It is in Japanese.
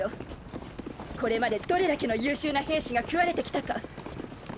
これまでどれだけの優秀な兵士が食われてきたか。